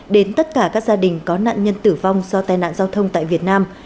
đến tất cả các gia đình có nạn nhân tử vong do tai nạn giao thông tại việt nam